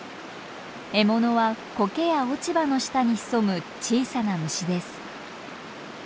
獲物はコケや落ち葉の下に潜む小さな虫です。